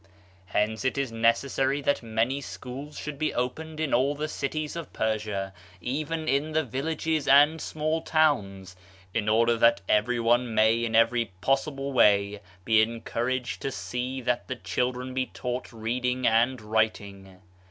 Hence it is necessary that many schools should be opened in all the cities of Persia, even in the villages and small towns, in order that everyone may in every possible way be encour aged to see that the children be taught reading and writing.